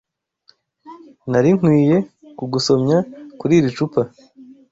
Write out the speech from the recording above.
Nari nkwiye kugusomya kuriri cupa